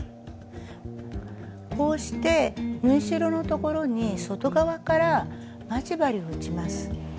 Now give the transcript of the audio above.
こうして縫い代の所に外側から待ち針を打ちます。